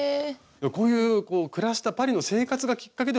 こういう暮らしたパリの生活がきっかけでほんとに子ども服